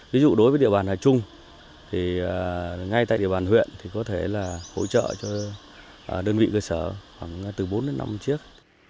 ví dụ đối với địa bàn hà trung ngay tại địa bàn huyện có thể hỗ trợ cho đơn vị cơ sở khoảng từ bốn đến năm chiếc